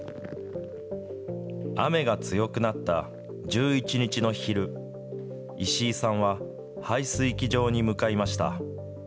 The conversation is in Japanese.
雨が強くなった１１日の昼、石井さんは排水機場に向かいました。